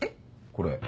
これ。